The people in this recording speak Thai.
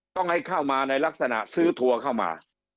ต้องให้เข้ามาในลักษณะซื้อทัวร์เข้ามา